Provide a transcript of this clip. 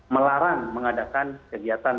melarang mengadakan kegiatan